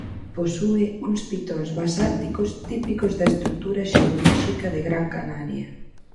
Posúe uns pitóns basálticos típicos da estrutura xeolóxica de Gran Canaria.